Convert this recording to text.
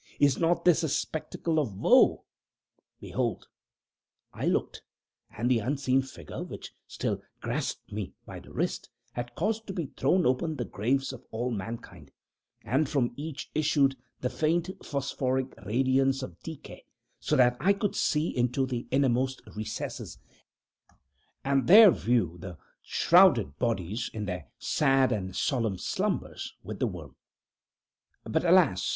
Is not this a spectacle of woe? Behold!" I looked; and the unseen figure, which still grasped me by the wrist, had caused to be thrown open the graves of all mankind, and from each issued the faint phosphoric radiance of decay, so that I could see into the innermost recesses, and there view the shrouded bodies in their sad and solemn slumbers with the worm. But alas!